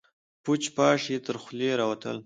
پوچ، پاش يې تر خولې راوتل.